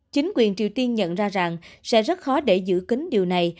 chính quyền triều tiên nhận ra rằng sẽ rất khó để giữ kính điều này